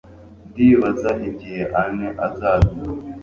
Ndibaza igihe Anne azazira